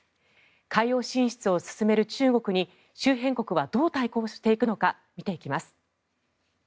海洋進出を強める中国に周辺国はどう対応していくのか見ていきます。